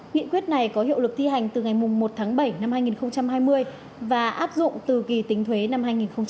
nghị quyết này có hiệu lực thi hành từ ngày một tháng bảy năm hai nghìn hai mươi và áp dụng từ kỳ tính thuế năm hai nghìn hai mươi